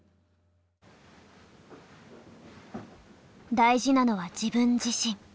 大事なのは自分自身。